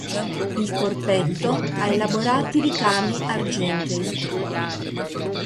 Il corpetto ha elaborati ricami argentei.